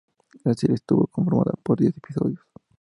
La serie estuvo conformada por diez episodios.